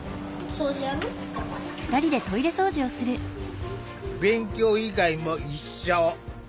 勉強以外も一緒。